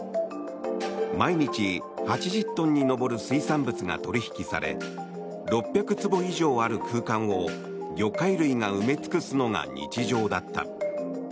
毎日８０トンに上る水産物が取引され６００坪以上ある空間を魚介類が埋め尽くすのが日常だった。